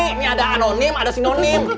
ini ada anonim ada sinonim